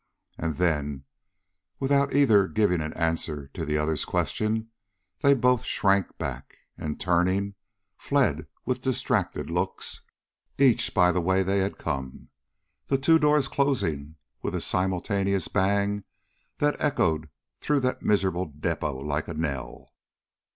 And then, without either giving an answer to the other's question, they both shrank back, and, turning, fled with distracted looks, each by the way they had come, the two doors closing with a simultaneous bang that echoed through that miserable depot like a knell.